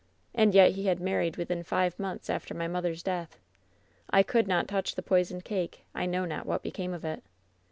And yet he had married within five months after my mother's death. "I could not touch the poisoned cake! I know not what became of it.